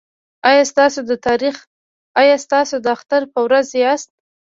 ایا تاسو د اختر په ورځ یاست؟